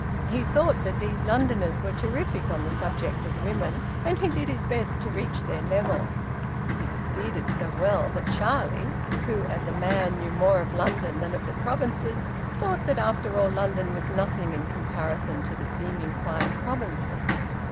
He thought that these Londoners were terrific on the subject of women, and he did his best to reach their level. He succeeded so well that Charlie, who, as a man, knew more of London than of the provinces, thought that after all London was nothing in comparison to the seeming quiet provinces.